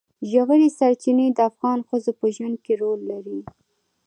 ژورې سرچینې د افغان ښځو په ژوند کې رول لري.